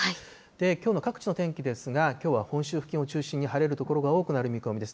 きょうの各地の天気ですが、きょうは本州付近を中心に晴れる所が多くなる見込みです。